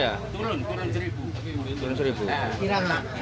ya tiram lah